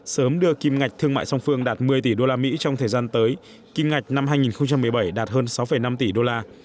sớm đưa kim ngạch thương mại song phương đạt một mươi tỷ usd trong thời gian tới kim ngạch năm hai nghìn một mươi bảy đạt hơn sáu năm tỷ usd